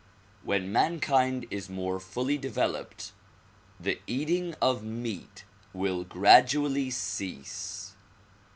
When mankind is more fully developed, the eating of meat will gradually cease.